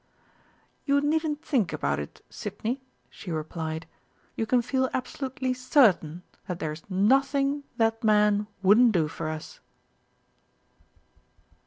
"You needn't think about it, Sidney," she replied; "you can feel absolutely certain that there's nothing that man wouldn't do for us!"